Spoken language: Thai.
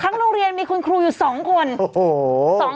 โรงเรียนมีคุณครูอยู่๒คน